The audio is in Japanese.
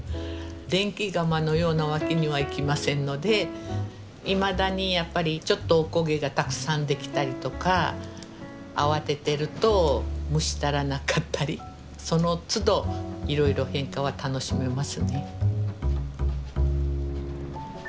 電気釜のようなわけにはいきませんのでいまだにやっぱりちょっとおこげがたくさんできたりとか慌ててると蒸し足らなかったりそのつどいろいろ変化は楽しめますね。